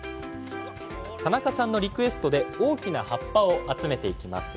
田中さんのリクエストで大きな葉っぱを集めていきます。